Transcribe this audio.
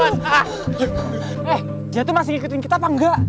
eh dia tuh masih ngikutin kita apa enggak